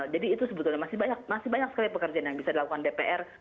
jadi itu sebetulnya masih banyak sekali pekerjaan yang bisa dilakukan dpr